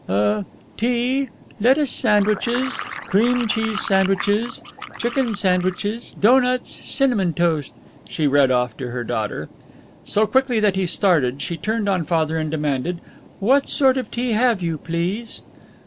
"Uh, tea, lettuce sandwiches, cream cheese sandwiches, chicken sandwiches, doughnuts, cinnamon toast," she read off to her daughter. So quickly that he started, she turned on Father and demanded, "What sort of tea have you, please?"